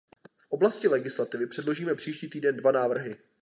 V oblasti legislativy předložíme příští týden dva návrhy.